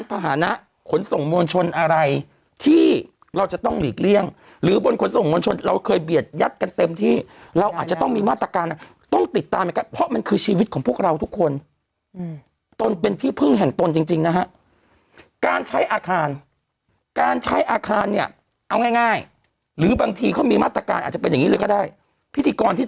ภาษณะขนส่งมวลชนอะไรที่เราจะต้องหลีกเลี่ยงหรือบนขนส่งมวลชนเราเคยเบียดยัดกันเต็มที่เราอาจจะต้องมีมาตรการต้องติดตามเหมือนกันเพราะมันคือชีวิตของพวกเราทุกคนตนเป็นที่พึ่งแห่งตนจริงจริงนะฮะการใช้อาคารการใช้อาคารเนี่ยเอาง่ายหรือบางทีเขามีมาตรการอาจจะเป็นอย่างนี้เลยก็ได้พิธีกรที่